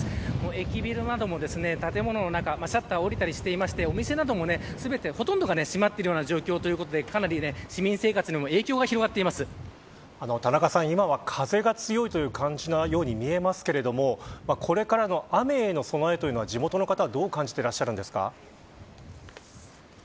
駅ビルなども、建物の中シャッター下りてお店などもほとんどが閉まっている状況でかなり市民生活にも田中さん、今は風が強いという感じに見えますがこれからの雨への備えは地元の方はどう感じていらっしゃいますか。